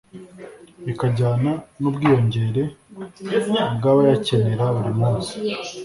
bikajyana n’ubwiyongere bw’abayakenera buri munsi